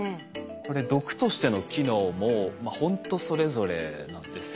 これ毒としての機能もほんとそれぞれなんですよね。